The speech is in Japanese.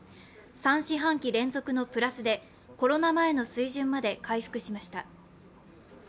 ３四半期連続のプラスでコロナ前の水準まで回復しました。